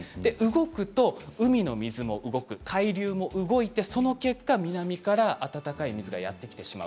動くと海の水も動く対流も動いてその結果、南から温かい水がやって来る。